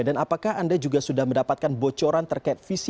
dan apakah anda juga sudah mendapatkan bocoran terkait visi